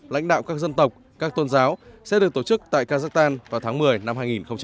lãnh đạo các dân tộc các tôn giáo sẽ được tổ chức tại kazakhstan vào tháng một mươi năm hai nghìn một mươi chín